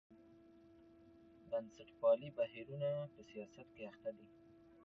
بنسټپالي بهیرونه په سیاست کې اخته دي.